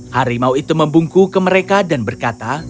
harimau itu membungku ke mereka dan berkata